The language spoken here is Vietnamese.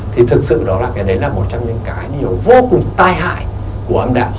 thì thực sự đó là cái đấy là một trong những cái điều vô cùng tai hại của âm đạo